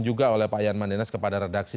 juga oleh pak yan mandenas kepada redaksi